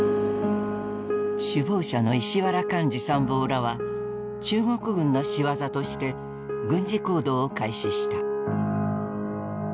首謀者の石原莞爾参謀らは中国軍のしわざとして軍事行動を開始した。